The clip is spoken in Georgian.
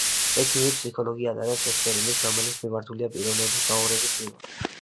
ექიმი ფსიქოლოგი ატარებს ექსპერიმენტს, რომელიც მიმართულია პიროვნების გაორების მიმართ.